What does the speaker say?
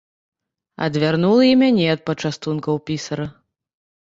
Адвярнула і мяне ад пачастункаў пісара.